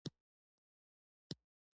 • سترګې د بدن نورو غړو سره همغږي کوي.